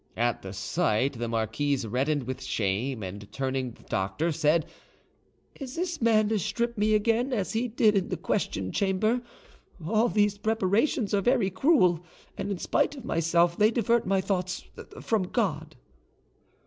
At the sight the marquise reddened with shame, and turning to the doctor, said, "Is this man to strip me again, as he did in the question chamber? All these preparations are very cruel; and, in spite of myself, they divert my thoughts, from God."